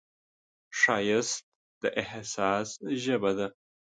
ښایست د احساس ژبه ده